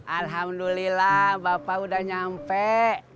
alhamdulillah bapak sudah sampai